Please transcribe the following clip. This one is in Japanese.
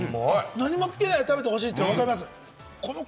何もつけないで食べてほしいって分かります。